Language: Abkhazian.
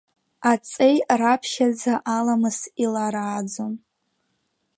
Аҵеи раԥхьаӡа аламыс иларааӡон.